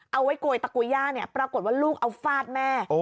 เอาไว้โกยตักุญาปรากฏว่าลูกเอาฟาดแม่